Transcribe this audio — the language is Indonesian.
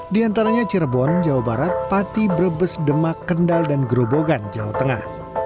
di antaranya cirebon jawa barat pati brebes demak kendal dan gerobogan jawa tengah